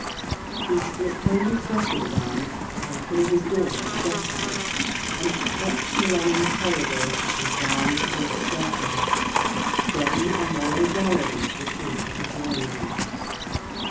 He slipped on his dressing gown, opened his door softly, and crept along the corridor and down the broad staircase, then along the gallery and into the drawing room.